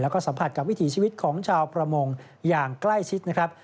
แล้วก็สัมผัสกับวิถีชีวิตของชาวประมงอย่างใกล้ชิดนะครับ